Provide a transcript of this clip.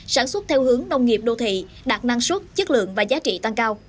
sản xuất theo hướng nông nghiệp đô thị đạt năng suất chất lượng và giá trị tăng cao